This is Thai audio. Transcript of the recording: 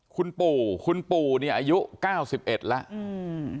คุณปู่คุณปู่เนี่ยอายุเก้าสิบเอ็ดแล้วอืม